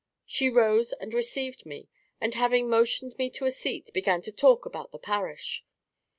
She rose and RECEIVED me, and having motioned me to a seat, began to talk about the parish.